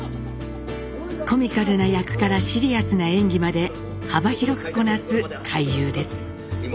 コミカルな役からシリアスな演技まで幅広くこなす怪優です。